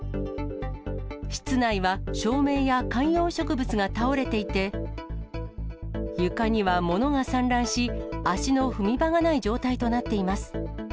室内は照明や観葉植物が倒れていて、床には物が散乱し、足の踏み場がない状態となっています。